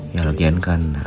ya lagian kan